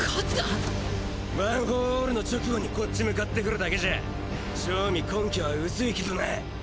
「ワン・フォー・オール」の直後にこっち向かってくるだけじゃ正味根拠は薄いけどな！